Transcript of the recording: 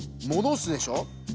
もどすでしょ？